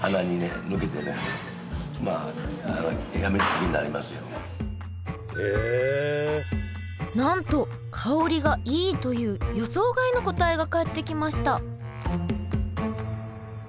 気になるなんと香りがいいという予想外の答えが返ってきました